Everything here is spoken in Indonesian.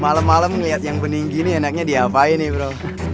malem malem ngeliat yang bening gini enaknya diapain bro